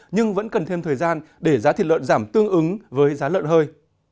nhưng vẫn cần thêm thời gian để giá thịt lợn giảm tương ứng với giá lợn hơi